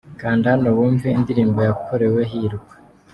Kanda hano wumve indirimbo yakorewe Hirwa.